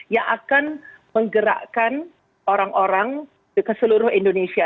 yang akan menggerakkan orang orang ke seluruh indonesia